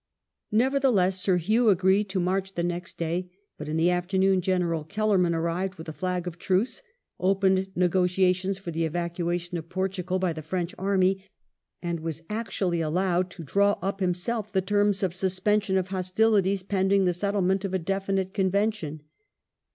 Neverthe less Sir Hew agreed to march the next day, but in the afternoon General Kellerman arrived with a flag of truce, opened negotiations for the evacuation of Portugal by the French army, and was aiptually allowed to draw up himself the terms of suspension of hostilities pending the settlement of a definite convention.